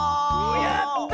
やった！